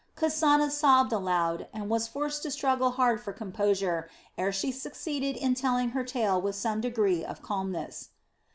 Kasana sobbed aloud and was forced to struggle hard for composure ere she succeeded in telling her tale with some degree of calmness.